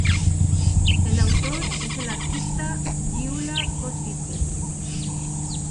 El autor es el artista Gyula Kosice.